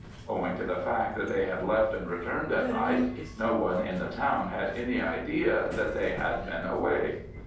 Owing to the fact that they had left and returned at night, no one in the town had any idea that they had been away.